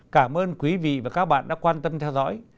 cảm ơn quý vị và các bạn đã quan tâm theo dõi